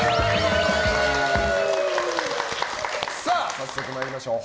早速参りましょう。